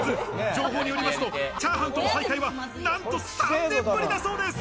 情報によりますと、チャーハンとの再会はなんと３年ぶりなんだそうです。